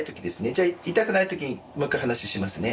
じゃあ痛くないときにもう一回話をしますね。